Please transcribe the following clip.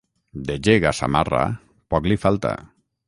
De gec a samarra, poc li falta.